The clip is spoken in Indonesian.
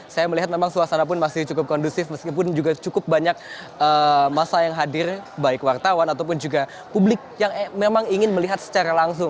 saya melihat memang suasana pun masih cukup kondusif meskipun juga cukup banyak masa yang hadir baik wartawan ataupun juga publik yang memang ingin melihat secara langsung